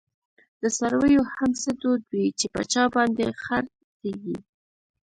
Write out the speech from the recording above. د څارویو هم څه دود وی، چی په چا باندي خر څیږی